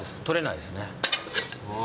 とれないですね。